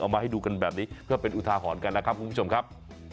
มาให้ดูกันแบบนี้เพื่อเป็นอุทาหรณ์กันนะครับคุณผู้ชมครับ